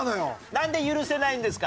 なんで許せないんですか？